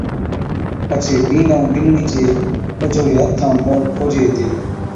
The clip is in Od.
پڇي بِينڏَ ائُون بِينڏڙِي چي ٻجھوڙي ھٿ ائُون موڙ کوجي ھِتي